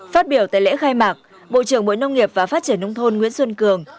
phát biểu tại lễ khai mạc bộ trưởng bộ nông nghiệp và phát triển nông thôn nguyễn xuân cường